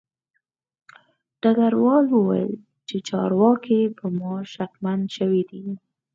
ډګروال وویل چې چارواکي په ما شکمن شوي دي